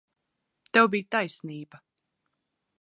Tev bija taisnība.